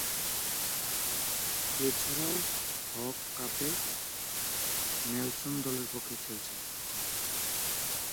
এছাড়াও, হক কাপে নেলসন দলের পক্ষে খেলেছেন।